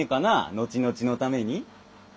後々のために。